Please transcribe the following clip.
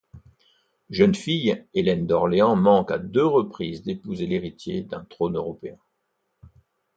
Jeune fille, Hélène d'Orléans manque à deux reprises d'épouser l'héritier d'un trône européen.